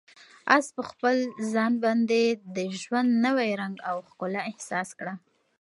آس په خپل ځان باندې د ژوند نوی رنګ او ښکلا احساس کړه.